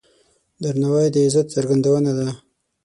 درناوی د عزت څرګندونه ده.